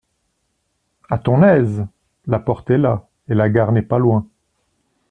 A ton aise ! la porte est là, et la gare n'est pas loin.